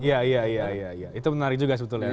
ya ya ya itu menarik juga sebetulnya